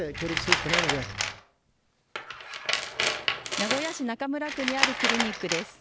名古屋市中村区にあるクリニックです。